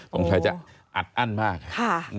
ตรงชายจะอัดอั้นมาก